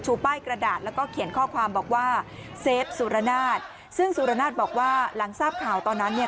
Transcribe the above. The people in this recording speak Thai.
ป้ายกระดาษแล้วก็เขียนข้อความบอกว่าเซฟสุรนาศซึ่งสุรนาศบอกว่าหลังทราบข่าวตอนนั้นเนี่ย